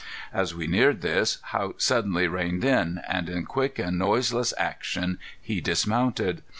As we neared this Haught suddenly reined in, and in quick and noiseless action he dismounted.